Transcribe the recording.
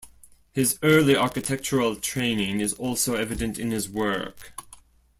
His early architectural training is also evident in his work.